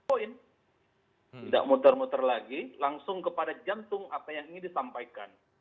poin tidak muter muter lagi langsung kepada jantung apa yang ingin disampaikan